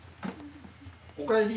おかえり。